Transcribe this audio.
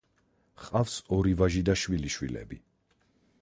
ჰყავს ორი ვაჟი და შვილიშვილები.